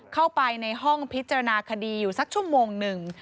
เข้าไปในห้องพิจารณาคดีอยู่สักชั่วโมงหนึ่ง